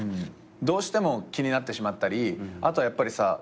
どうしても気になってしまったりあとはやっぱりさ